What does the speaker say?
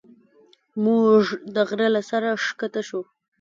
موږ د غره له سره ښکته شوو.